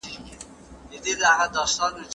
د خاوند تر لمسيانو کښته هم پر ميرمن حرام دي.